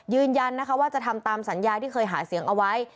ยืนยันนะคะว่าจะทำตามสัญญาที่เคยหาเสียงเอาไว้